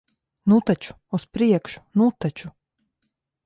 Nu taču, uz priekšu. Nu taču!